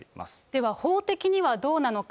では、法的にはどうなのか。